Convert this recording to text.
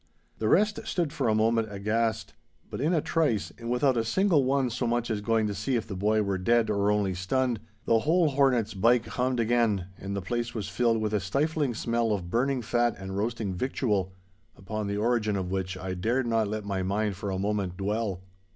The rest stood for a moment aghast. But in a trice, and without a single one so much as going to see if the boy were dead or only stunned, the whole hornet's byke hummed again, and the place was filled with a stifling smell of burning fat and roasting victual, upon the origin of which I dared not let my mind for a moment dwell.